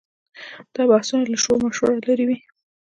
دا بحثونه له شورماشوره لرې وي.